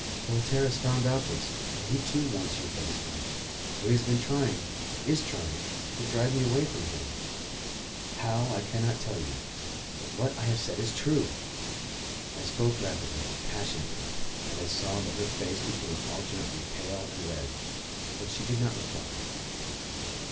"Voltaire has found out this, and he too wants you for his wife; so he has been trying is trying to drive me away from here. How I cannot tell you; but what I have said is true!" I spoke rapidly, passionately, and I saw that her face became alternately pale and red, but she did not reply.